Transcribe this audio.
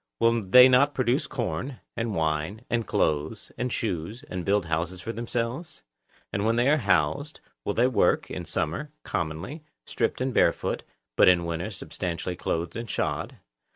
Will they not produce corn, and wine, and clothes, and shoes, and build houses for themselves? And when they are housed, they will work, in summer, commonly, stripped and barefoot, but in winter substantially clothed and shod.